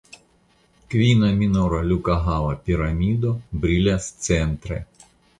Kvina minora lukohava piramido brilas centre.